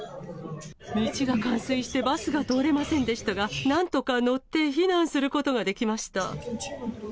道が冠水してバスが通れませんでしたが、なんとか乗って避難することができました。